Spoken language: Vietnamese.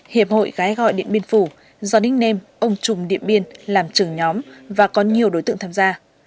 hiệp hội gái gọi điện biên phủ do đích nêm ông trùm điện biên làm trưởng nhóm và có nhiều đối tượng tham gia